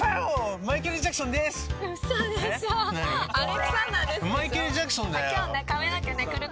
マイケル・ジャクソンです。